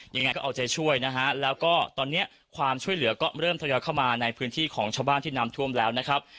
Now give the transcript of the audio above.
ยังไงก็เอาใจช่วยนะฮะแล้วก็ตอนนี้ความช่วยเหลือก็เริ่มทยอยเข้ามาในพื้นที่ของชาวบ้านที่น้ำท่วมแล้วนะครับ